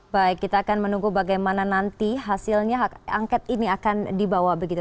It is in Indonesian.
baik kita akan menunggu bagaimana nanti hasilnya hak angket ini akan dibawa begitu